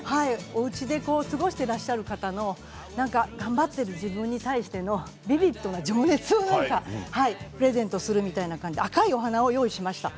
おうちで過ごしていらっしゃる方の頑張っている自分に対してのビビットな情熱をプレゼントするみたいな感じで赤いお花を用意しました。